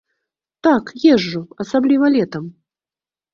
Так, езджу, асабліва летам.